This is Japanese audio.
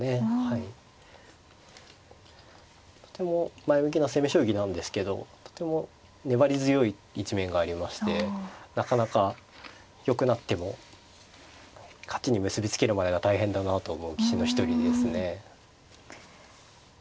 とても前向きな攻め将棋なんですけどとても粘り強い一面がありましてなかなかよくなっても勝ちに結び付けるまでが大変だなと思う棋士の一人ですね。